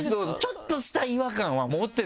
ちょっとした違和感は持ってたの。